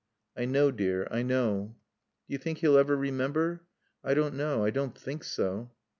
"I know, dear, I know." "Do you think he'll ever remember?" "I don't know. I don't think so."